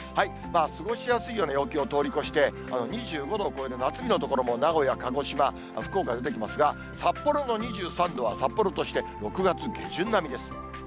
過ごしやすいような陽気を通り越して、２５度を超える夏日の所も名古屋、鹿児島、福岡出てきますが、札幌の２３度は札幌として６月下旬並みです。